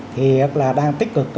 thì đang tích cực